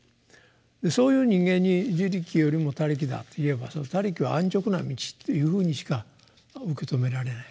でそういう人間に「自力」よりも「他力」だと言えば「他力」は安直な道っていうふうにしか受け止められない。